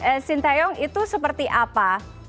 coach shin taeyong itu seperti apa